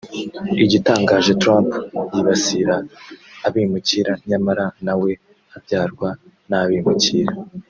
Igitangaje Trump yibasira abimukira nyamara nawe abyarwa n’abimukira